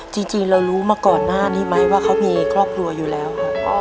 จริงเรารู้มาก่อนหน้านี้ไหมว่าเขามีครอบครัวอยู่แล้วครับ